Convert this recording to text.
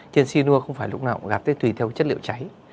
cái cyanur không phải lúc nào gặp tên tùy theo chất liệu cháy